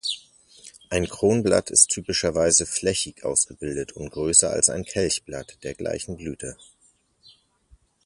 Ein Kronblatt ist typischerweise flächig ausgebildet und größer als ein Kelchblatt der gleichen Blüte.